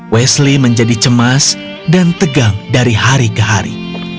wesley menjadi cemas dan tegang dari hari ke hari